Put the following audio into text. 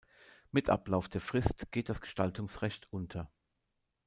Mit Ablauf der Frist geht das Gestaltungsrecht unter.